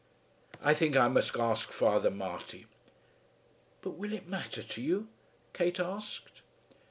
"I think I must ask Father Marty." "But will it matter to you?" Kate asked.